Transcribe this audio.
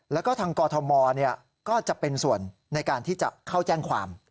แล้วก็ทางกอทมก็จะเป็นส่วนในการที่จะเข้าแจ้งความ